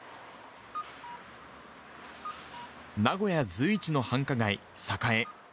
名古屋随一の繁華街、栄。